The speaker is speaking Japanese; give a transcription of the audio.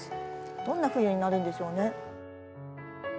どんな冬になるんでしょうね？